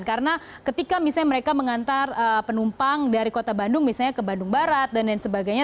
karena ketika misalnya mereka mengantar penumpang dari kota bandung misalnya ke bandung barat dan sebagainya